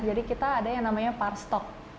jadi kita ada yang namanya par stock